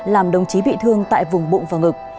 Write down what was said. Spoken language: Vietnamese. làm đồng chí bị thương tại vùng bụng và ngực